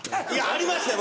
ありましたよ